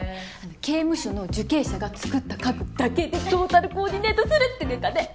刑務所の受刑者が作った家具だけでトータルコーディネートするってネタで。